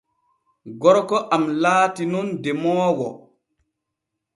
Gorko am laati nun demoowo.